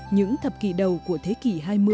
những thập kỷ đầu của thế kỷ hai mươi